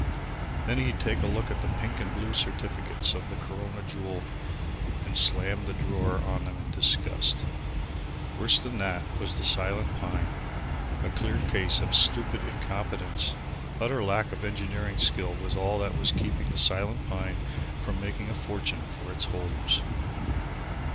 Then he'd take a look at the pink and blue certificates of the Corona Jewel and slam the drawer on them in disgust. Worse than that was the Silent Pine, a clear case of stupid incompetence! Utter lack of engineering skill was all that was keeping the Silent Pine from making a fortune for its holders.